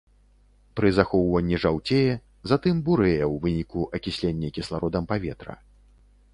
Пры захоўванні жаўцее, затым бурэе ў выніку акіслення кіслародам паветра.